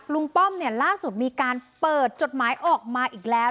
ป้อมเนี่ยล่าสุดมีการเปิดจดหมายออกมาอีกแล้ว